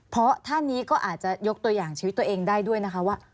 เพราะท่านนี้ก็อาจจะยกตัวอย่างชีวิตตัวเองได้ด้วยนะคะว่า